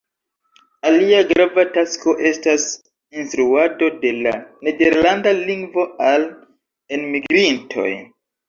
Alia grava tasko estas instruado de la nederlanda lingvo al enmigrintoj.